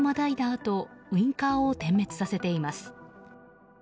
あとウィンカーを点滅させています。